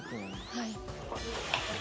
はい。